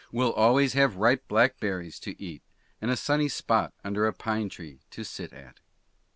Will always have ripe blackberries to eat and a sunny spot under a pine tree to sit at.